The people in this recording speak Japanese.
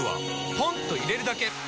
ポンと入れるだけ！